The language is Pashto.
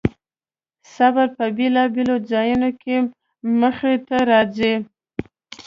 صبر په بېلابېلو ځایونو کې مخې ته راځي.